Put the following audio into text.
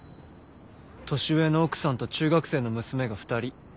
年上の奥さんと中学生の娘が２人。